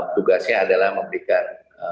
tugasnya adalah memberikan